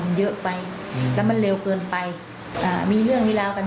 มันเยอะไปและมันเร็วเกินไปมีเรื่องนี้แล้วกัน